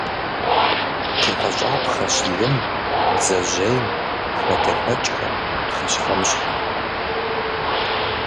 ТегъэщӀапхъэщ лым, бдзэжьейм, хадэхэкӀхэм, пхъэщхьэмыщхьэхэм.